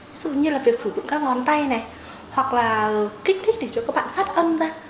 ví dụ như là việc sử dụng các ngón tay này hoặc là kích thích để cho các bạn phát âm ra